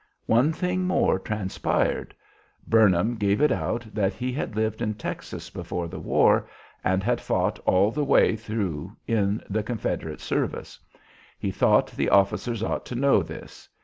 One thing more transpired. Burnham gave it out that he had lived in Texas before the war, and had fought all the way through in the Confederate service. He thought the officers ought to know this.